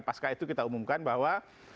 pasca itu kita umumkan bahwa